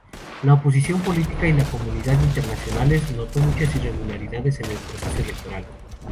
La oposición política y la comunidad internacionales notó muchas irregularidades en el proceso electoral.